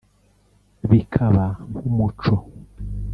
bikaba nk’umuco